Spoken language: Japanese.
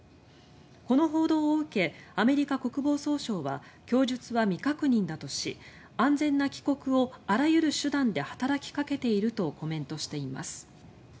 この報道を受けアメリカ国防総省は供述は未確認だとし安全な帰国をあらゆる手段で働きかけているとコメントしています。